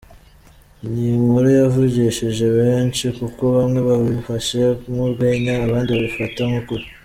Iyi nkuru yavugishije benshi kuko bamwe babifashe nk’urwenya, abandi babifata nk’ukuri.